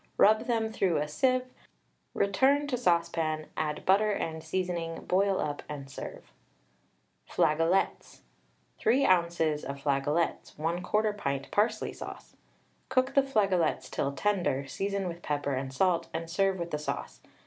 Rub them through a sieve, return to saucepan, add butter and seasoning, boil up and serve. FLAGOLETS. 3 oz. of flagolets, 1/4 pint parsley sauce. Cook the flagolets till tender, season with pepper and salt, and serve with the sauce.